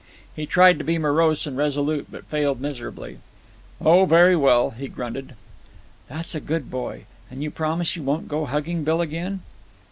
He tried to be morose and resolute, but failed miserably. "Oh, very well," he grunted. "That's a good boy. And you promise you won't go hugging Bill again?"